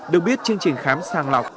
được biết chương trình khám sang lọc